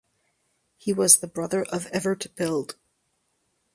He was the brother of Evert Bild.